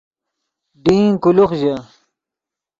ڈین کولوخ ژے